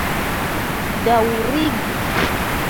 daŭrigi